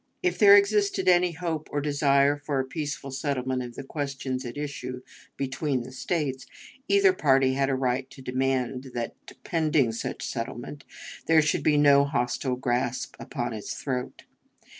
If there existed any hope or desire for a peaceful settlement of the questions at issue between the States, either party had a right to demand that, pending such settlement, there should be no hostile grasp upon its throat.